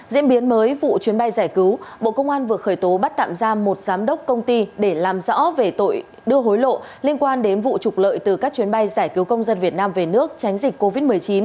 diễn biến mới vụ chuyến bay giải cứu bộ công an vừa khởi tố bắt tạm giam một giám đốc công ty để làm rõ về tội đưa hối lộ liên quan đến vụ trục lợi từ các chuyến bay giải cứu công dân việt nam về nước tránh dịch covid một mươi chín